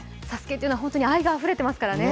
ＳＡＳＵＫＥというのは愛があふれてますからね